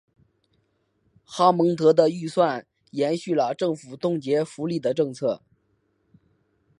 哈蒙德的预算延续了政府冻结福利的政策。